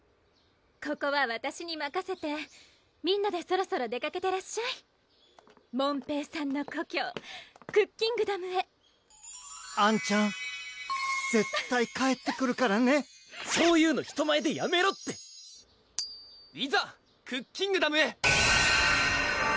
ここはわたしにまかせてみんなでそろそろ出かけてらっしゃい門平さんの故郷・クッキングダムへあんちゃん絶対帰ってくるからねそういうの人前でやめろっていざクッキングダムへ！